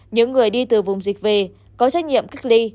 những người đi từ vùng dịch về có trách nhiệm cách ly